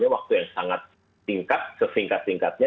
waktu yang sangat tingkat sevingkat vingkatnya